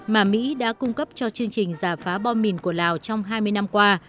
mà mỹ đã cung cấp cho chương trình giả phá bom mìn của lào trong hai mươi năm qua